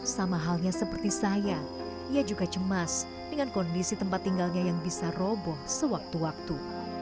sama halnya seperti saya ia juga cemas dengan kondisi tempat tinggalnya yang bisa roboh sewaktu waktu